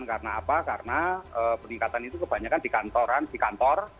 karena apa karena peningkatan itu kebanyakan di kantoran di kantor